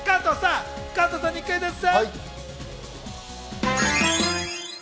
加藤さんにクイズッス！